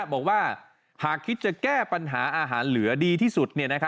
บอกว่าหากคิดจะแก้ปัญหาอาหารเหลือดีที่สุด